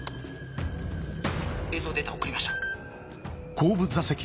映像データ送りました